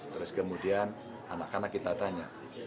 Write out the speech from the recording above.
terus kemudian anak anak kita tanya